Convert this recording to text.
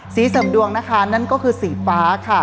เสริมดวงนะคะนั่นก็คือสีฟ้าค่ะ